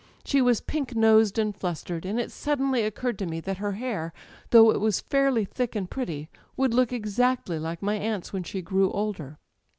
She was pink nosed and flustered, and it suddenly occurred to me that her hair, though it was fairly thick and pretty, would look exactly like my aunt's when she grew older.